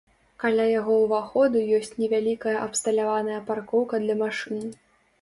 Каля яго ўваходу ёсць невялікая абсталяваная паркоўка для машын.